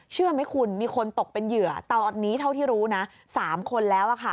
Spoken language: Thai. เชื่อไหมคุณมีคนตกเป็นเหยื่อตอนนี้เท่าที่รู้นะ๓คนแล้ว